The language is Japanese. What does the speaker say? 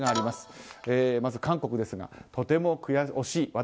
まず韓国ですが、とても惜しい。